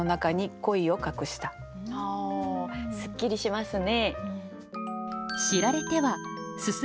あすっきりしますね。